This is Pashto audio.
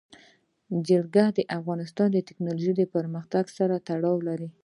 جلګه د افغانستان د تکنالوژۍ پرمختګ سره تړاو لري.